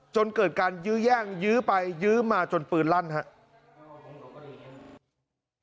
จนเกิดการยื้อแย่งยื้อไปยื้อมาจนปืนลั่นครับ